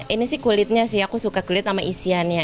ini sih kulitnya sih aku suka kulit sama isiannya